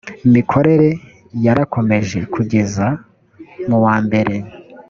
mikorere yarakomeje kugeza mu wambere